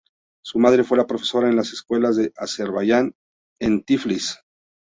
Su madre fue la profesora en las escuelas de Azerbaiyán en Tiflis.